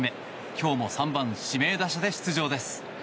今日も３番指名打者で出場です。